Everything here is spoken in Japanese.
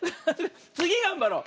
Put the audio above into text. つぎがんばろう！